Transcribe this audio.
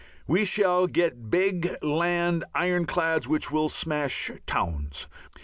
We shall get big land ironclads which will smash towns.